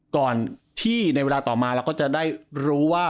ก่อนที่ในเวลาต่อมาเราก็จะได้รู้ว่า